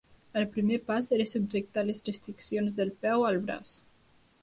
El primer pas era subjectar les restriccions del peu al braç.